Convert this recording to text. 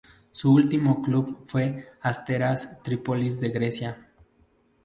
Su último club fue el Asteras Tripolis de Grecia.